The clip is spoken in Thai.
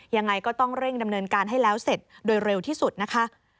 ยังไงก็ต้องเร่งดำเนินการให้แล้วเสร็จโดยเร็วที่สุดนะคะ